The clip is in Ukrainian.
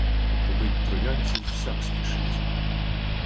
Побить троянців всяк спішить.